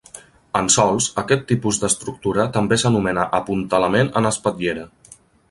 En sòls, aquest tipus d'estructura també s'anomena apuntalament en espatllera.